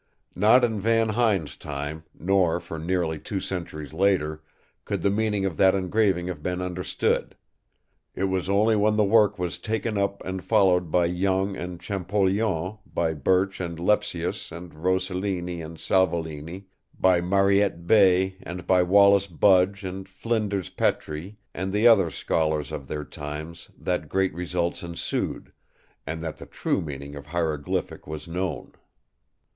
Not in Van Huyn's time, nor for nearly two centuries later, could the meaning of that engraving have been understood. It was only when the work was taken up and followed by Young and Champollion, by Birch and Lepsius and Rosellini and Salvolini, by Mariette Bey and by Wallis Budge and Flinders Petrie and the other scholars of their times that great results ensued, and that the true meaning of hieroglyphic was known.